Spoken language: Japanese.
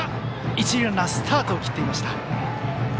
一塁ランナースタートを切っていました。